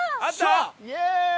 イエーイ！